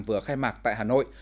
vừa khai mạc tại hà nội